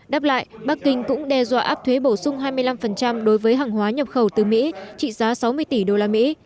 đáp lại bắc kinh cũng đe dọa áp thuế bổ sung hai mươi năm đối với hàng hóa nhập khẩu từ mỹ trị giá sáu mươi tỷ đô la mỹ